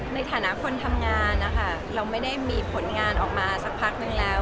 ในฐานะคนทำงานนะคะเราไม่ได้มีผลงานออกมาสักพักนึงแล้ว